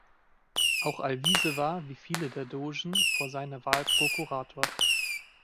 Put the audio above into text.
Auch Alvise war, wie viele der Dogen, vor seiner Wahl Prokurator.